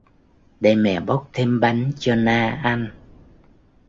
Để mẹ bóc thêm bánh cho Na ăn